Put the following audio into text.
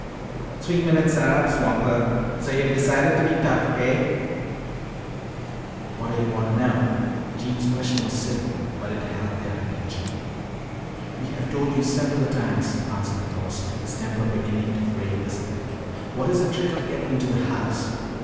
"Three minutes are up, swamper. So yuh've decided to be tough, eh?" "Whatta yo' wanna know?" Jeems' question was silly but it held their attention. "We have told you several times," answered the Boss, his temper beginning to fray visibly. "What is the trick of getting into that house?"